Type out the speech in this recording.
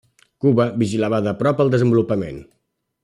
Cuba vigilava de prop el desenvolupament.